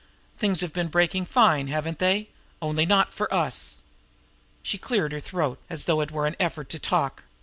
"Things have been breaking fine, haven't they? only not for us!" She cleared her throat as though it were an effort to talk.